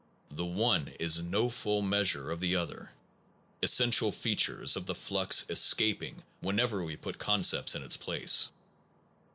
The one is no full measure of the other, essential features of the flux escaping whenever we put concepts in its place.